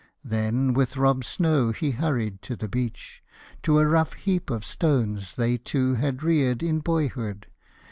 Then with Rob Snow he hurried to the beach, To a rough heap of stones they two had reared In boyhood.